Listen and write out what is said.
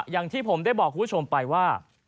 อย่างที่ผมได้บอกคุณผู้ชมไปว่า